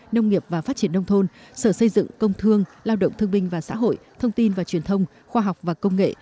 nông nghiệp và phát triển nông thôn sở xây dựng công thương lao động thương binh và xã hội thông tin và truyền thông khoa học và công nghệ